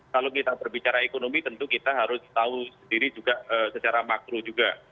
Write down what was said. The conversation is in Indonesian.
kalau kita berbicara ekonomi tentu kita harus tahu sendiri juga secara makro juga